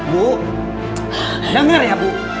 bu denger ya bu